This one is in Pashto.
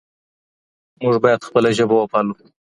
موږ باید خپله ژبه وپالو.